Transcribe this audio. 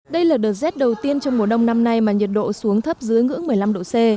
đây là đợt rét đầu tiên trong mùa đông năm nay mà nhiệt độ xuống thấp dưới ngưỡng một mươi năm độ c